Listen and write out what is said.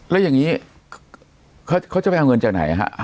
แล้วอย่างนี้เขาจะไปเอาเงินจากไหนฮะ